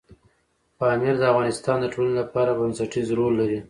پامیر د افغانستان د ټولنې لپاره بنسټيز رول لري.